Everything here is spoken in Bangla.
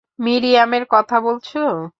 মিরিয়ামের কথা বলছো?